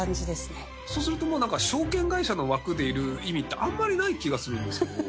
そうするともうなんか証券会社の枠でいる意味ってあんまりない気がするんですけど。